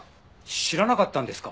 知らなかったんですか？